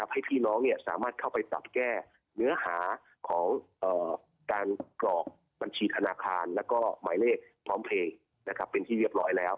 ให้พี่น้องสามารถเข้าไปปรับแก้เนื้อหาของการกรอกบัญชีธนาคารแล้วก็หมายเลขพร้อมเพลงเป็นที่เรียบร้อยแล้ว